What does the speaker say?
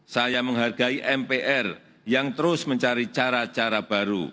saya menghargai mpr yang terus mencari cara cara baru